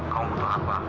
kamu butuh apa